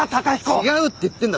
違うって言ってんだ。